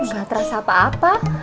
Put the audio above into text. gak terasa apa apa